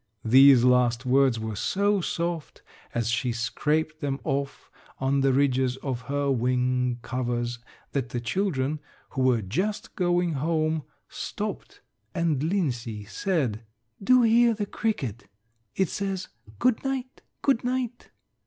These last words were so soft as she scraped them off on the ridges of her wing covers that the children, who were just going home, stopped and Linsey said, "Do hear the cricket it says, 'Good night; good night.'"